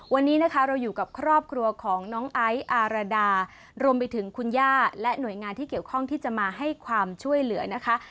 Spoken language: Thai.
วันนี้นะคะเราอยู่กับครอบครัวของน้องไอซ์อารดารวมไปถึงคุณย่าและหน่วยงานที่เกี่ยวข้องที่จะมาให้ความช่วยเหลือนะคะ